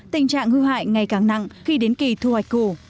tình trạng hư hại ngày càng nặng khi đến kỳ thu hoạch củ